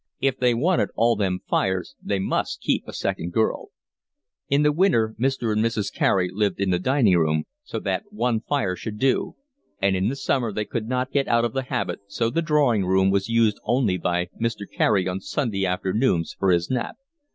If they wanted all them fires they must keep a second girl. In the winter Mr. and Mrs. Carey lived in the dining room so that one fire should do, and in the summer they could not get out of the habit, so the drawing room was used only by Mr. Carey on Sunday afternoons for his nap.